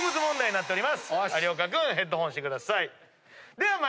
有岡君ヘッドホンしてください。